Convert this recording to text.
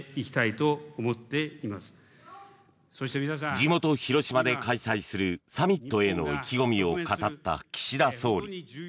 地元・広島で開催するサミットへの意気込みを語った岸田総理。